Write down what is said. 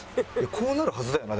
こうなるはずだよな？